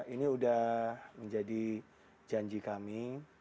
ini sudah menjadi janji kami